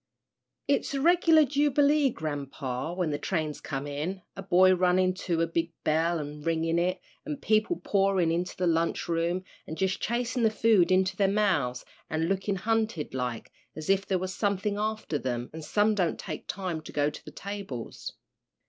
"It's a reg'lar jubilee, grampa, when the trains come in a boy runnin' to a big bell an' ringin' it, an' people pourin' into the lunch room, an' jus' chasin' the food into their mouths an' lookin' hunted like, as if there was somethin' after them, an' some don't take time to go to the tables.